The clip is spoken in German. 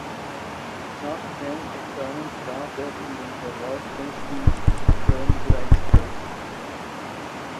Nach den Examen trat er in den Verwaltungsdienst des Königreichs Preußen.